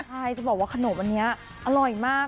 ใช่จะบอกว่าขนมอันนี้อร่อยมาก